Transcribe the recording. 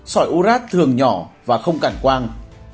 xoải ú rác thường nhỏ và không cản quang